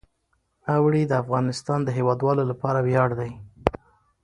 اوړي د افغانستان د هیوادوالو لپاره ویاړ دی.